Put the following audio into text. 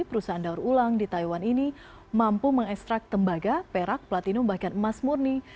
perusahaan daur ulang di taiwan ini mampu mengekstrak tembaga perak platinum bahkan emas murni